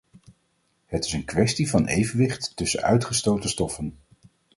Het is een kwestie van evenwicht tussen uitgestoten stoffen.